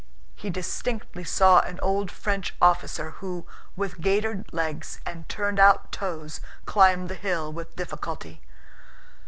(He distinctly saw an old French officer who, with gaitered legs and turned out toes, climbed the hill with difficulty.)